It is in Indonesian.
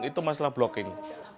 itu masalah blocking